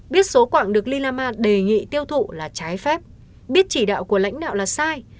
biết số quạng được lilama đề nghị tiêu thụ là trái phép biết chỉ đạo của lãnh đạo là sai